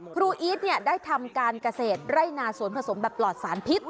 อีทได้ทำการเกษตรไร่นาสวนผสมแบบปลอดสารพิษ